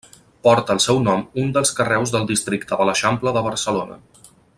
Porta el seu nom un dels carrers del districte de l'Eixample de Barcelona.